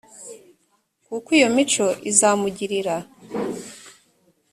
kuko iyo mico izamugirira